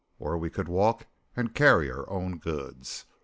Or we could walk and carry our own goods.